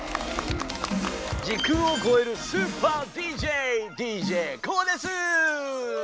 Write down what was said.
時空をこえるスーパーＤＪＤＪＫＯＯです！